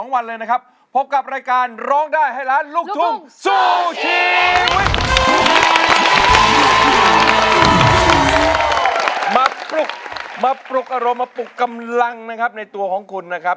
มาปลุกมาปลุกอารมณ์มาปลุกกำลังนะครับในตัวของคุณนะครับ